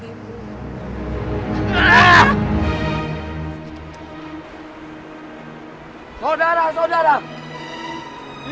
ibu ingin mengisi mama ibu